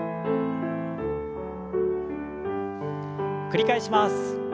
繰り返します。